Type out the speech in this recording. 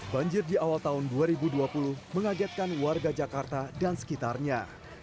banjir di awal tahun dua ribu dua puluh mengagetkan warga jakarta dan sekitarnya